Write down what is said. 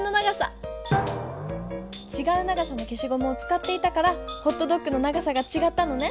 ちがう長さのけしごむをつかっていたからホットドッグの長さがちがったのね。